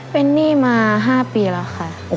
เป็นหนี้มา๕ปีแล้วค่ะ